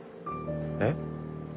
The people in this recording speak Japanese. えっ？